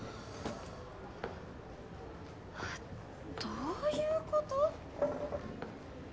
どういうこと？